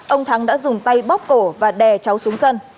ông thắng đã dùng tay bóc cổ và đè cháu xuống sân